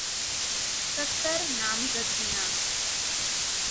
سکر نامزدگیاں